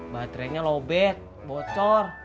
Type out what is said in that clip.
baterainya lobet bocor